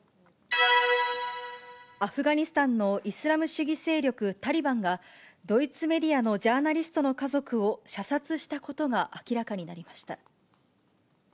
アフガニスタンのイスラム主義勢力タリバンが、ドイツメディアのジャーナリストの家族を射殺したことが明らかになりました。